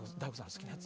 好きなやつ。